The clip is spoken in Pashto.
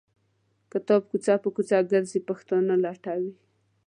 کتاب کوڅه په کوڅه ګرځي پښتانه لټوي.